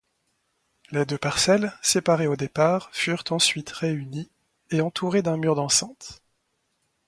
Les deux parcelles, séparées au départ, furent ensuite réunies et entourées d'un mur d'enceinte.